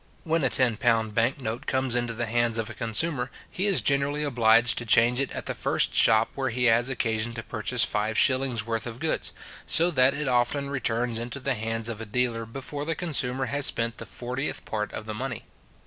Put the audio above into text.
When a ten pound bank note comes into the hands of a consumer, he is generally obliged to change it at the first shop where he has occasion to purchase five shillings worth of goods; so that it often returns into the hands of a dealer before the consumer has spent the fortieth part of the money.